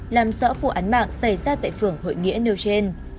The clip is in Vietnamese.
làm rõ vụ án mạng xảy ra tại phường hội nghĩa nêu trên